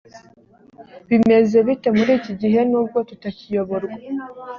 bimeze bite muri iki gihe nubwo tutakiyoborwa